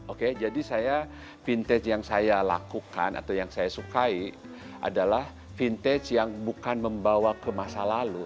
oke jadi saya vintage yang saya lakukan atau yang saya sukai adalah vintage yang bukan membawa ke masa lalu